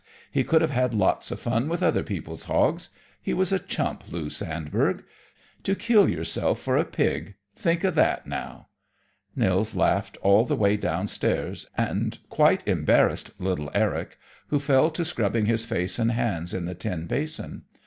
He could have had lots of fun with other people's hogs. He was a chump, Lou Sandberg. To kill yourself for a pig think of that, now!" Nils laughed all the way downstairs, and quite embarrassed little Eric, who fell to scrubbing his face and hands at the tin basin.